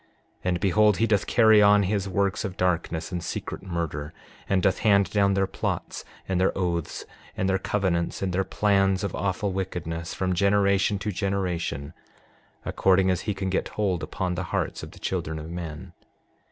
And behold, he doth carry on his works of darkness and secret murder, and doth hand down their plots, and their oaths, and their covenants, and their plans of awful wickedness, from generation to generation according as he can get hold upon the hearts of the children of men.